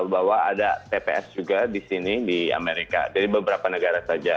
bahwa ada tps juga di sini di amerika jadi beberapa negara saja